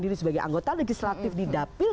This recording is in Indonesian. diri sebagai anggota legislatif di dapil